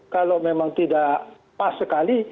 kalau memang tidak pas sekali